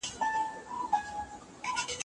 لارښود د مقالې د کره کتني مسؤلیت لري.